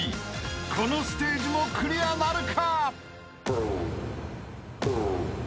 ［このステージもクリアなるか！？］